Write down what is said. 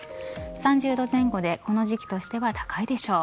３０度前後でこの時期としては高いでしょう。